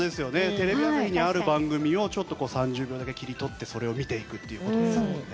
テレビ朝日にある番組をちょっと３０秒だけ切り取ってそれを見ていくっていう事ですもんね。